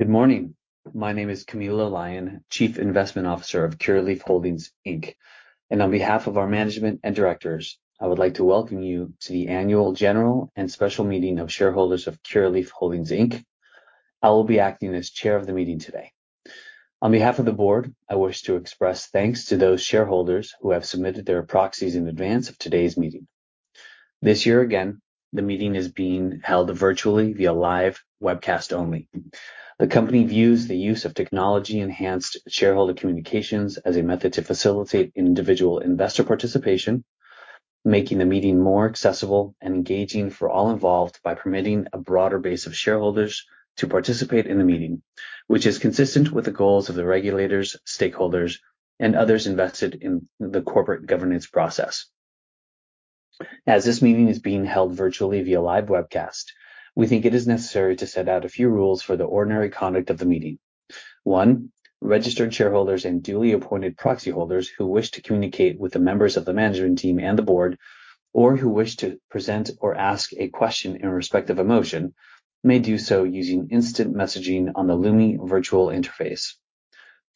Good morning. My name is Camilo Lyon, Chief Investment Officer of Curaleaf Holdings, Inc. On behalf of our management and directors, I would like to welcome you to the Annual General and Special Meeting of Shareholders of Curaleaf Holdings, Inc. I will be acting as chair of the meeting today. On behalf of the board, I wish to express thanks to those shareholders who have submitted their proxies in advance of today's meeting. This year again, the meeting is being held virtually via live webcast only. The company views the use of technology-enhanced shareholder communications as a method to facilitate individual investor participation, making the meeting more accessible and engaging for all involved by permitting a broader base of shareholders to participate in the meeting, which is consistent with the goals of the regulators, stakeholders, and others invested in the corporate governance process. As this meeting is being held virtually via live webcast, we think it is necessary to set out a few rules for the ordinary conduct of the meeting. One, registered shareholders and duly appointed proxy holders who wish to communicate with the members of the management team and the board, or who wish to present or ask a question in respect of a motion, may do so using instant messaging on the Lumi virtual interface.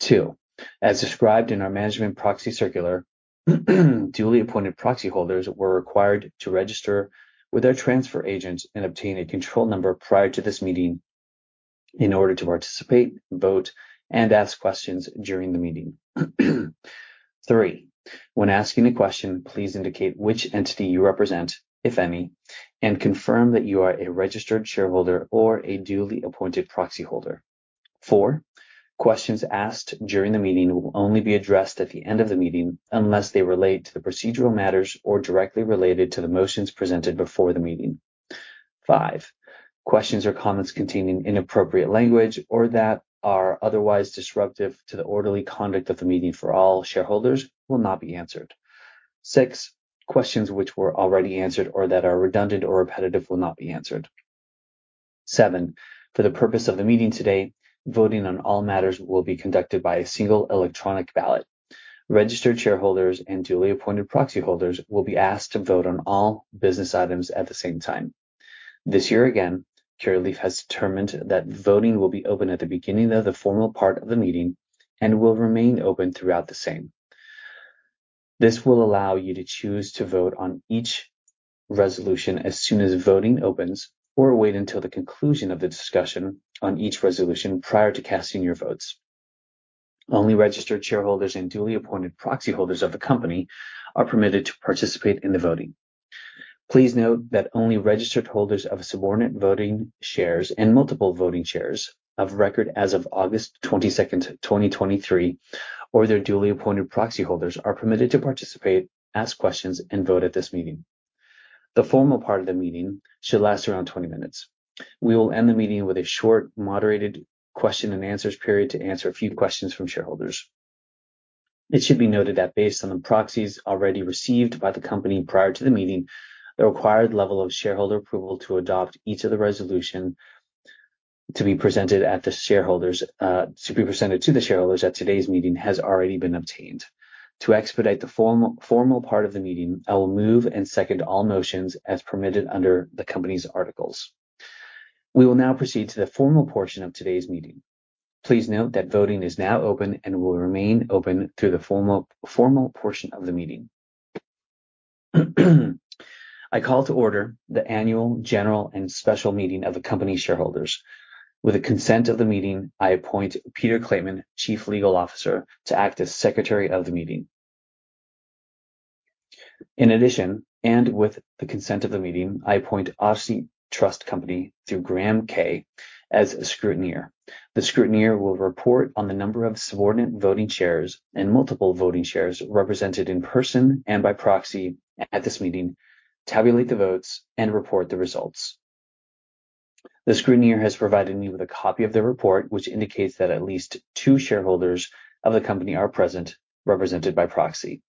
Two, as described in our management proxy circular, duly appointed proxy holders were required to register with our transfer agent and obtain a control number prior to this meeting in order to participate, vote, and ask questions during the meeting. Three, when asking a question, please indicate which entity you represent, if any, and confirm that you are a registered shareholder or a duly appointed proxyholder. Four, questions asked during the meeting will only be addressed at the end of the meeting unless they relate to the procedural matters or directly related to the motions presented before the meeting. Five, questions or comments containing inappropriate language or that are otherwise disruptive to the orderly conduct of the meeting for all shareholders will not be answered. Six, questions which were already answered or that are redundant or repetitive will not be answered. Seven, for the purpose of the meeting today, voting on all matters will be conducted by a single electronic ballot. Registered shareholders and duly appointed proxy holders will be asked to vote on all business items at the same time. This year again, Curaleaf has determined that voting will be open at the beginning of the formal part of the meeting and will remain open throughout the same. This will allow you to choose to vote on each resolution as soon as voting opens, or wait until the conclusion of the discussion on each resolution prior to casting your votes. Only registered shareholders and duly appointed proxy holders of the company are permitted to participate in the voting. Please note that only registered holders of Subordinate Voting Shares and Multiple Voting Shares of record as of August 22, 2023, or their duly appointed proxy holders, are permitted to participate, ask questions, and vote at this meeting. The formal part of the meeting should last around 20 minutes. We will end the meeting with a short, moderated question and answers period to answer a few questions from shareholders. It should be noted that based on the proxies already received by the company prior to the meeting, the required level of shareholder approval to adopt each of the resolution to be presented at the shareholders, to be presented to the shareholders at today's meeting has already been obtained. To expedite the formal part of the meeting, I will move and second all motions as permitted under the company's articles. We will now proceed to the formal portion of today's meeting. Please note that voting is now open and will remain open through the formal portion of the meeting. I call to order the annual general and special meeting of the company shareholders. With the consent of the meeting, I appoint Peter Clateman, Chief Legal Officer, to act as Secretary of the meeting. In addition, and with the consent of the meeting, I appoint Odyssey Trust Company through Graham Kaye as scrutineer. The scrutineer will report on the number of Subordinate Voting Shares and Multiple Voting Shares represented in person and by proxy at this meeting, tabulate the votes, and report the results. The scrutineer has provided me with a copy of the report, which indicates that at least two shareholders of the company are present, represented by proxy.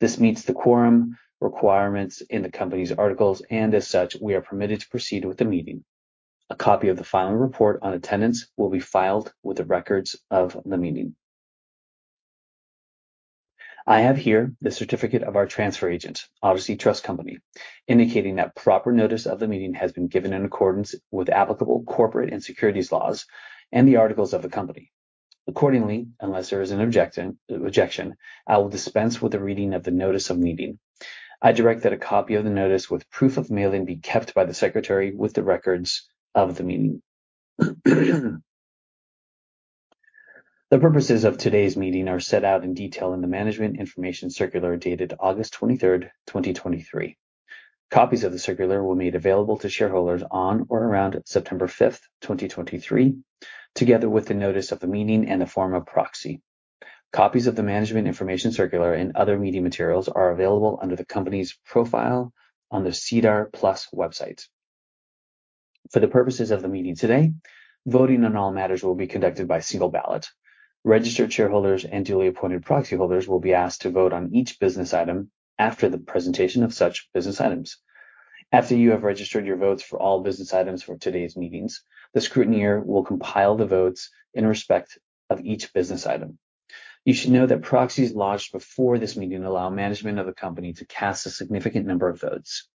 This meets the quorum requirements in the company's articles, and as such, we are permitted to proceed with the meeting. A copy of the final report on attendance will be filed with the records of the meeting. I have here the certificate of our transfer agent, Odyssey Trust Company, indicating that proper notice of the meeting has been given in accordance with applicable corporate and securities laws and the articles of the company. Accordingly, unless there is an objection, I will dispense with the reading of the notice of meeting. I direct that a copy of the notice with proof of mailing be kept by the secretary with the records of the meeting. The purposes of today's meeting are set out in detail in the management information circular, dated August 23, 2023. Copies of the circular were made available to shareholders on or around September 5, 2023, together with the notice of the meeting and the form of proxy. Copies of the management information circular and other meeting materials are available under the company's profile on the SEDAR+ website. For the purposes of the meeting today, voting on all matters will be conducted by single ballot. Registered shareholders and duly appointed proxy holders will be asked to vote on each business item after the presentation of such business items. After you have registered your votes for all business items for today's meetings, the scrutineer will compile the votes in respect of each business item. You should know that proxies lodged before this meeting allow management of the company to cast a significant number of votes.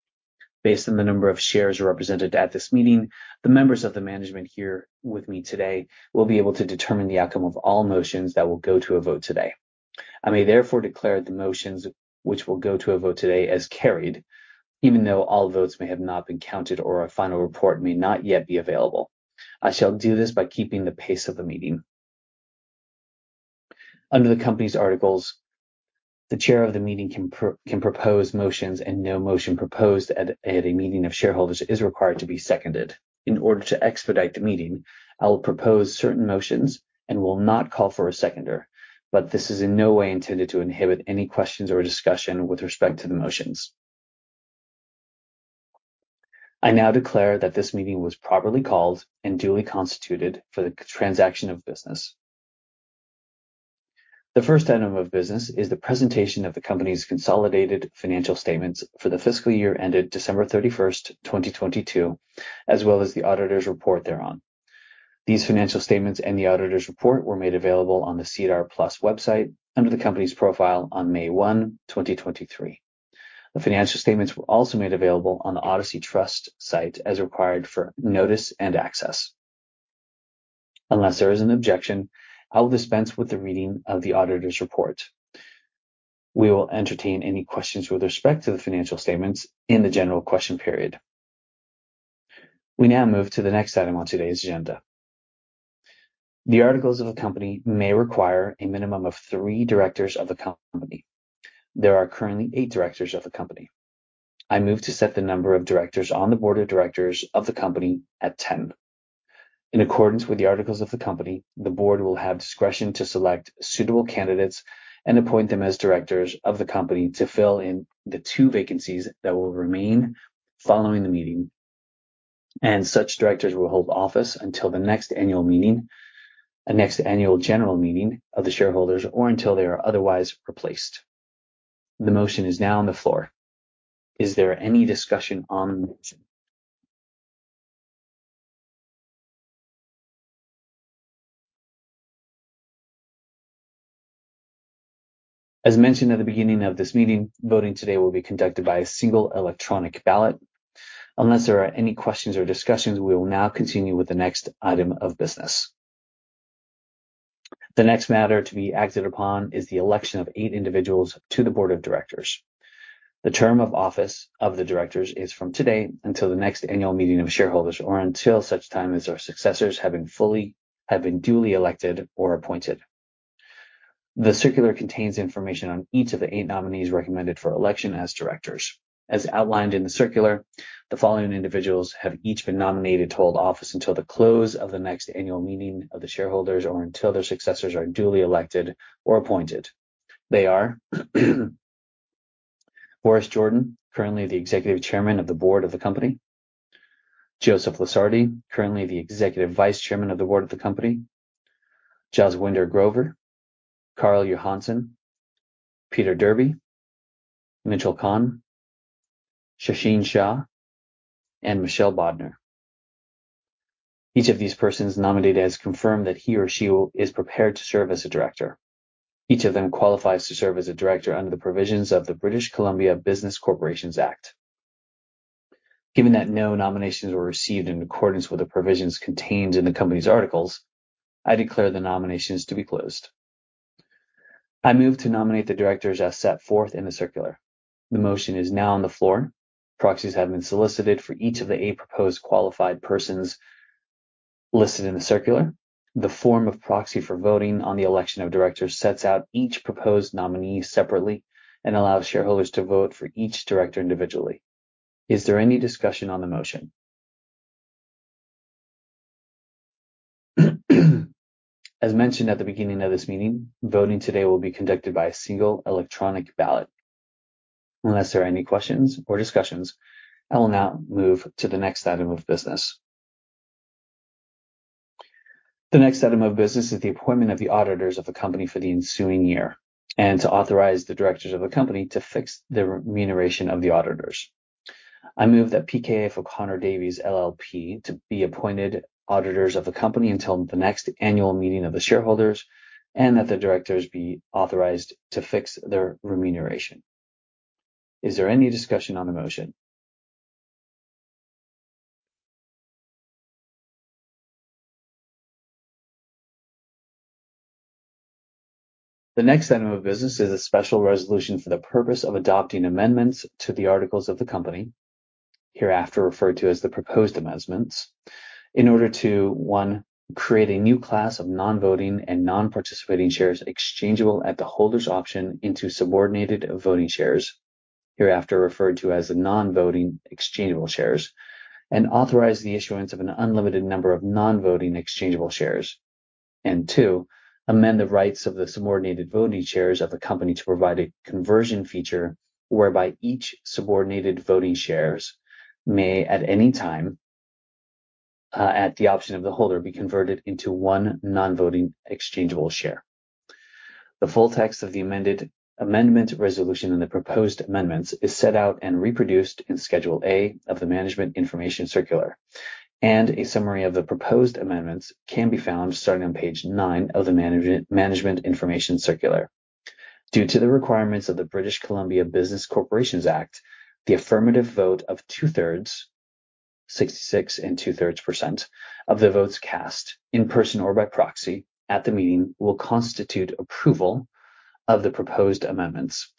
Based on the number of shares represented at this meeting, the members of the management here with me today will be able to determine the outcome of all motions that will go to a vote today. I may therefore declare the motions which will go to a vote today as carried, even though all votes may have not been counted or a final report may not yet be available. I shall do this by keeping the pace of the meeting. Under the company's articles, the chair of the meeting can propose motions, and no motion proposed at a meeting of shareholders is required to be seconded. In order to expedite the meeting, I will propose certain motions and will not call for a seconder, but this is in no way intended to inhibit any questions or discussion with respect to the motions. I now declare that this meeting was properly called and duly constituted for the transaction of business. The first item of business is the presentation of the company's consolidated financial statements for the fiscal year ended December 31, 2022, as well as the auditor's report thereon. These financial statements and the auditor's report were made available on the SEDAR+ website under the company's profile on May 1, 2023. The financial statements were also made available on the Odyssey Trust site as required for notice and access. Unless there is an objection, I will dispense with the reading of the auditor's report. We will entertain any questions with respect to the financial statements in the general question period. We now move to the next item on today's agenda. The articles of a company may require a minimum of three directors of the company. There are currently eight directors of the company. I move to set the number of directors on the board of directors of the company at 10. In accordance with the articles of the company, the board will have discretion to select suitable candidates and appoint them as directors of the company to fill in the two vacancies that will remain following the meeting, and such directors will hold office until the next annual meeting, the next annual general meeting of the shareholders or until they are otherwise replaced. The motion is now on the floor. Is there any discussion on the motion? As mentioned at the beginning of this meeting, voting today will be conducted by a single electronic ballot. Unless there are any questions or discussions, we will now continue with the next item of business. The next matter to be acted upon is the election of eight individuals to the board of directors. The term of office of the directors is from today until the next annual meeting of shareholders or until such time as our successors have been duly elected or appointed. The circular contains information on each of the eight nominees recommended for election as directors. As outlined in the circular, the following individuals have each been nominated to hold office until the close of the next annual meeting of the shareholders or until their successors are duly elected or appointed. They are Boris Jordan, currently the Executive Chairman of the Board of the Company, Joseph Lusardi, currently the Executive Vice Chairman of the Board of the Company, Jaswinder Grover, Karl Johansson, Peter Derby, Mitchell Kahn, Shasheen Shah, and Michelle Bodner. Each of these persons nominated has confirmed that he or she is prepared to serve as a director. Each of them qualifies to serve as a director under the provisions of the British Columbia Business Corporations Act. Given that no nominations were received in accordance with the provisions contained in the company's articles, I declare the nominations to be closed. I move to nominate the directors as set forth in the circular. The motion is now on the floor. Proxies have been solicited for each of the eight proposed qualified persons listed in the circular. The form of proxy for voting on the election of directors sets out each proposed nominee separately and allows shareholders to vote for each director individually. Is there any discussion on the motion? As mentioned at the beginning of this meeting, voting today will be conducted by a single electronic ballot. Unless there are any questions or discussions, I will now move to the next item of business. The next item of business is the appointment of the auditors of the company for the ensuing year, and to authorize the directors of the company to fix the remuneration of the auditors. I move that PKF O'Connor Davies, LLP, to be appointed auditors of the company until the next annual meeting of the shareholders and that the directors be authorized to fix their remuneration. Is there any discussion on the motion? The next item of business is a special resolution for the purpose of adopting amendments to the articles of the company, hereafter referred to as the proposed amendments, in order to, one, create a new class of non-voting and non-participating shares exchangeable at the holder's option into subordinate voting shares, hereafter referred to as the non-voting exchangeable shares, and authorize the issuance of an unlimited number of non-voting exchangeable shares. And two, amend the rights of the Subordinate Voting Shares of the company to provide a conversion feature whereby each Subordinate Voting Share may, at any time, at the option of the holder, be converted into one Non-Voting Exchangeable Share. The full text of the amendment resolution and the proposed amendments is set out and reproduced in Schedule A of the Management Information Circular, and a summary of the proposed amendments can be found starting on page nine of the Management Information Circular. Due to the requirements of the British Columbia Business Corporations Act, the affirmative vote of 2/3 (66 and 2/3%), of the votes cast, in person or by proxy at the meeting, will constitute approval of the proposed amendments.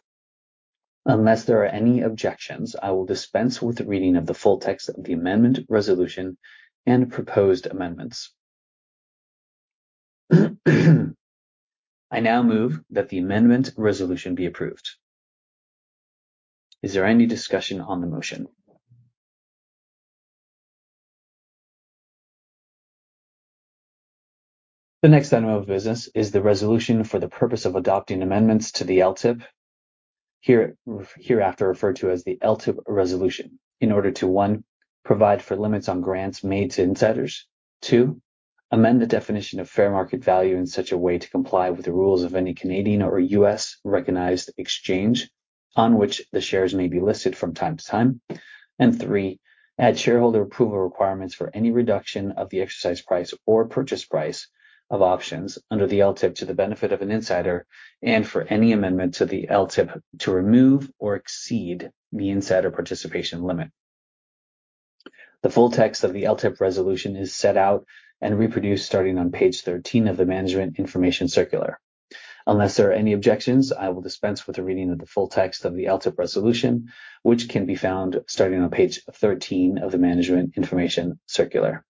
Unless there are any objections, I will dispense with the reading of the full text of the amendment resolution and proposed amendments. I now move that the amendment resolution be approved. Is there any discussion on the motion? The next item of business is the resolution for the purpose of adopting amendments to the LTIP, here, hereafter referred to as the LTIP resolution, in order to, one, provide for limits on grants made to insiders, two, amend the definition of fair market value in such a way to comply with the rules of any Canadian or U.S.-recognized exchange on which the shares may be listed from time to time, and three, add shareholder approval requirements for any reduction of the exercise price or purchase price of options under the LTIP to the benefit of an insider, and for any amendment to the LTIP to remove or exceed the insider participation limit. The full text of the LTIP resolution is set out and reproduced starting on page 13 of the Management Information Circular. Unless there are any objections, I will dispense with the reading of the full text of the LTIP resolution, which can be found starting on page 13 of the Management Information Circular.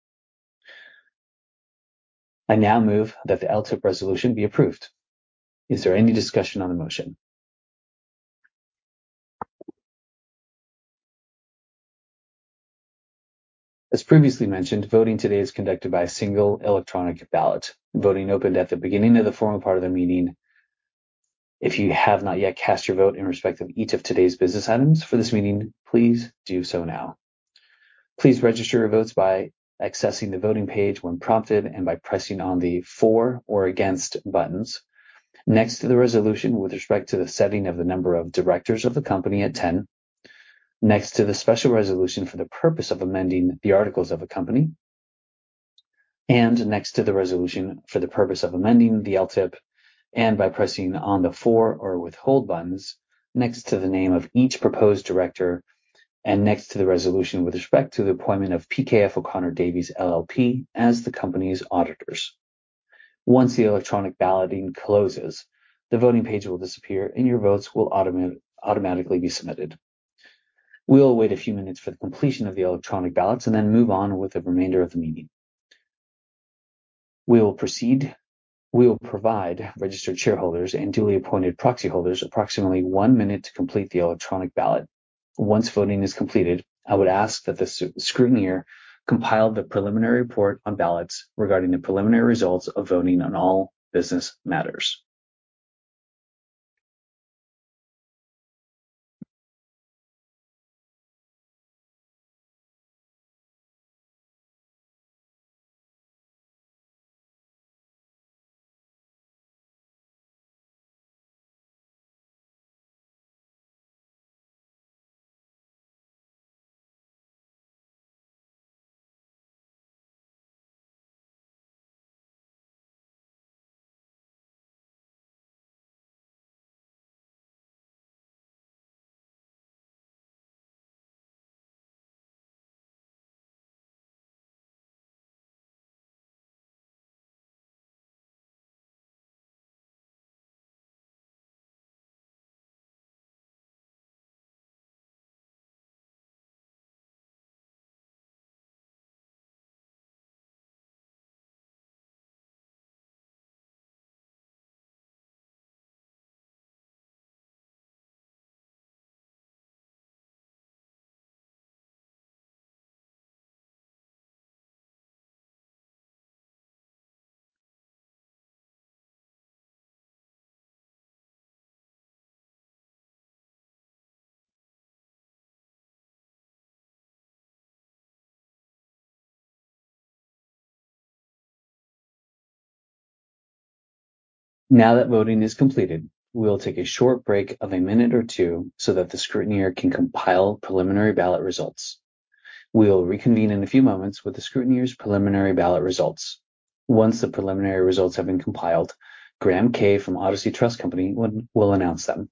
I now move that the LTIP resolution be approved. Is there any discussion on the motion? As previously mentioned, voting today is conducted by a single electronic ballot. Voting opened at the beginning of the formal part of the meeting. If you have not yet cast your vote in respect of each of today's business items for this meeting, please do so now. Please register your votes by accessing the voting page when prompted and by pressing on the For or Against buttons next to the resolution with respect to the setting of the number of directors of the company at 10, next to the special resolution for the purpose of amending the articles of a company, and next to the resolution for the purpose of amending the LTIP, and by pressing on the For or Withhold buttons next to the name of each proposed director and next to the resolution with respect to the appointment of PKF O'Connor Davies, LLP as the company's auditors. Once the electronic balloting closes, the voting page will disappear, and your votes will automatically be submitted. We'll wait a few minutes for the completion of the electronic ballots and then move on with the remainder of the meeting. We will proceed. We will provide registered shareholders and duly appointed proxy holders approximately one minute to complete the electronic ballot. Once voting is completed, I would ask that the scrutineer compile the preliminary report on ballots regarding the preliminary results of voting on all business matters. Now that voting is completed, we'll take a short break of a minute or two so that the scrutineer can compile preliminary ballot results. We'll reconvene in a few moments with the scrutineer's preliminary ballot results. Once the preliminary results have been compiled, Graham Kaye from Odyssey Trust Company will announce them.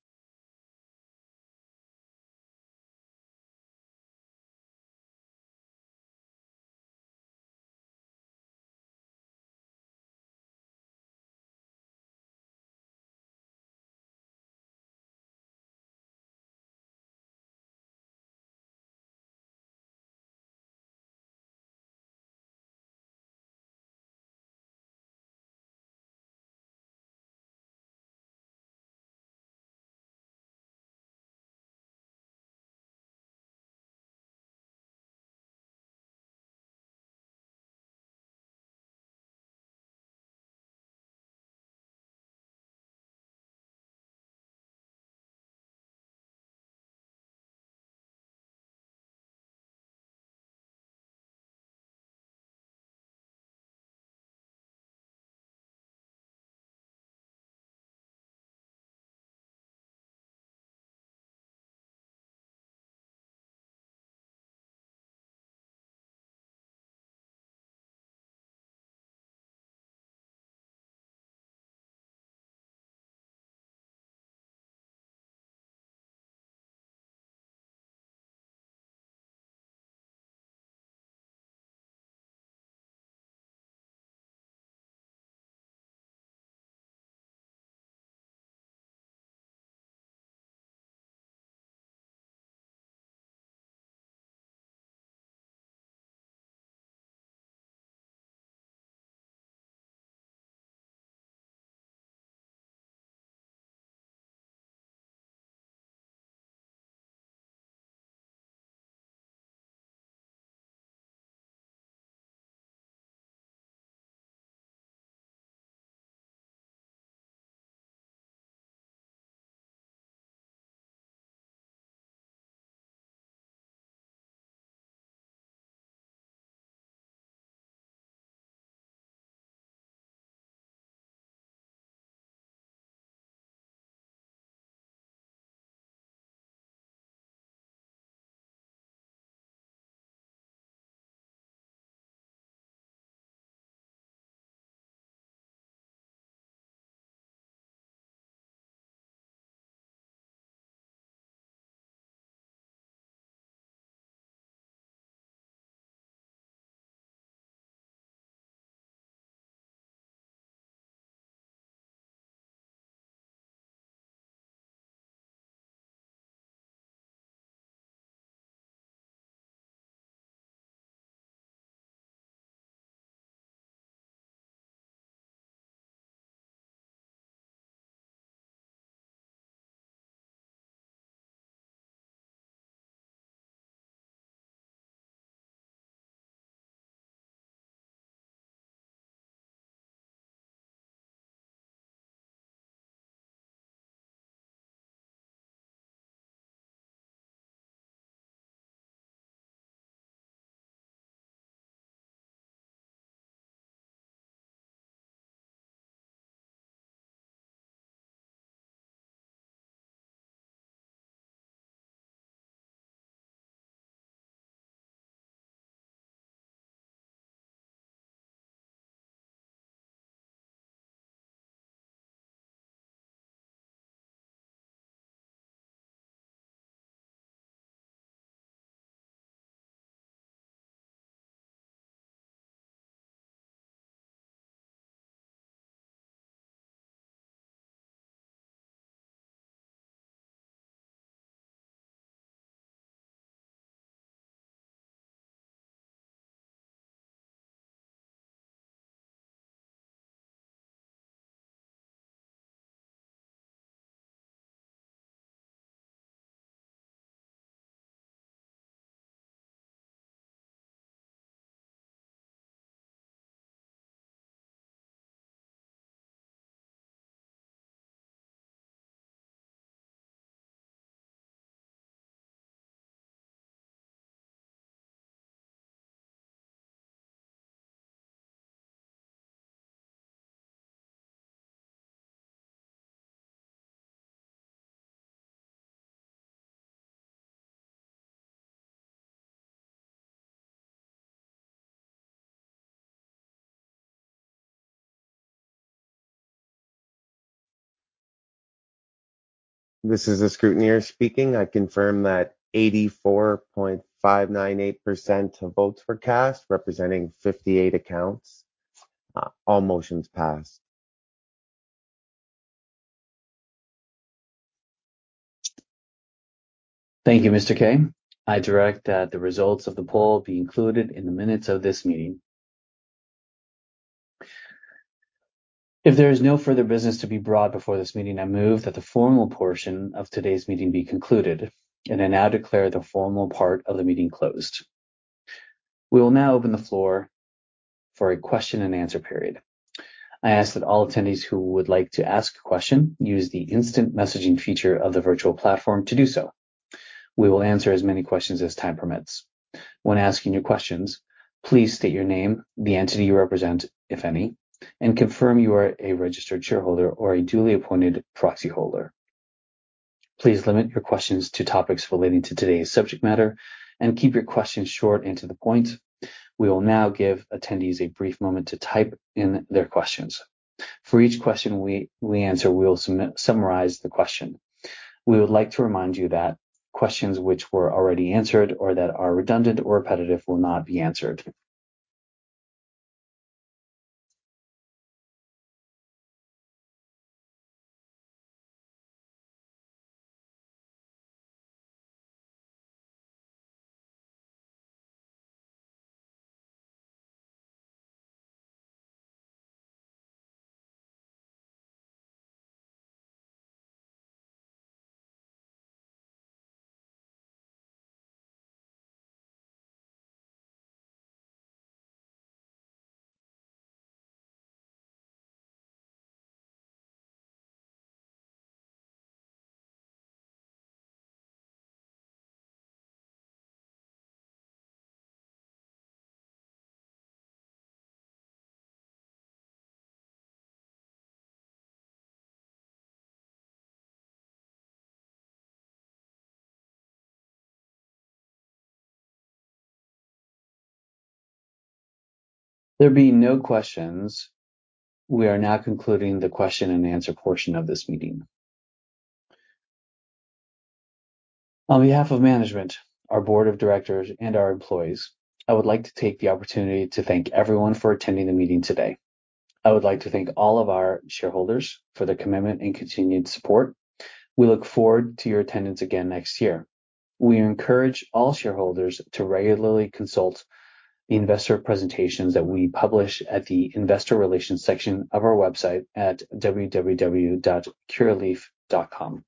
This is the scrutineer speaking. I confirm that 84.598% of votes were cast, representing 58 accounts. All motions passed. Thank you, Mr. Kaye. I direct that the results of the poll be included in the minutes of this meeting. If there is no further business to be brought before this meeting, I move that the formal portion of today's meeting be concluded, and I now declare the formal part of the meeting closed. We will now open the floor for a question-and-answer period. I ask that all attendees who would like to ask a question use the instant messaging feature of the virtual platform to do so. We will answer as many questions as time permits. When asking your questions, please state your name, the entity you represent, if any, and confirm you are a registered shareholder or a duly appointed proxyholder. Please limit your questions to topics relating to today's subject matter and keep your questions short and to the point. We will now give attendees a brief moment to type in their questions. For each question we answer, we will summarize the question. We would like to remind you that questions which were already answered or that are redundant or repetitive will not be answered. There being no questions, we are now concluding the question-and-answer portion of this meeting. On behalf of management, our board of directors, and our employees, I would like to take the opportunity to thank everyone for attending the meeting today. I would like to thank all of our shareholders for their commitment and continued support. We look forward to your attendance again next year. We encourage all shareholders to regularly consult the investor presentations that we publish at the Investor Relations section of our website at www.curaleaf.com.